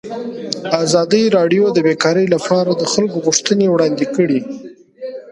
ازادي راډیو د بیکاري لپاره د خلکو غوښتنې وړاندې کړي.